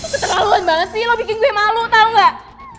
keterlaluan banget sih lo bikin gue malu tau gak